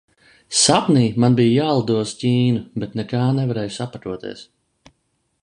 Sapnī man bija jālido uz Ķīnu, bet nekā nevarēju sapakoties.